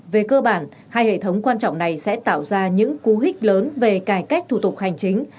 về cơ bản hai hệ thống quan trọng này sẽ tạo ra những cú hích lớn về cải cách thủ tục hành chính